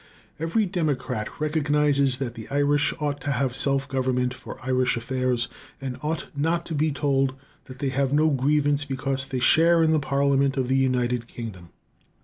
Every democrat recognizes that the Irish ought to have self government for Irish affairs, and ought not to be told that they have no grievance because they share in the Parliament of the United Kingdom.